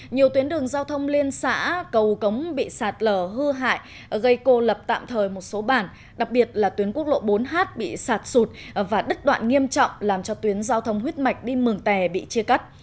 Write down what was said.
nhiều tuyến đường giao thông liên xã cầu cống bị sạt lở hư hại gây cô lập tạm thời một số bản đặc biệt là tuyến quốc lộ bốn h bị sạt sụt và đứt đoạn nghiêm trọng làm cho tuyến giao thông huyết mạch đi mường tè bị chia cắt